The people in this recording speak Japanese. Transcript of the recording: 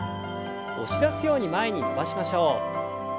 押し出すように前に伸ばしましょう。